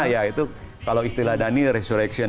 ya itu kalau istilah dhani resuration